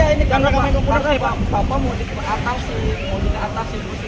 iya ini jangan main main